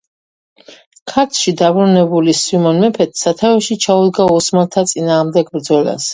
ქარᲗლᲨი დაბრუნებული სვიმონ მეფე საᲗავეᲨი Ჩაუდგა ოსმალᲗა წინააღმდეგ ბრძოლას.